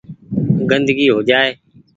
گندگي هو جآئي۔